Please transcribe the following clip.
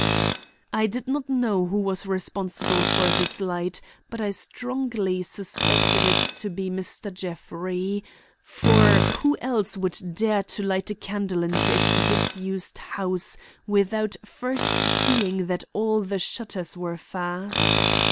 I did not know who was responsible for this light, but I strongly suspected it to be Mr. Jeffrey; for who else would dare to light a candle in this disused house without first seeing that all the shutters were fast?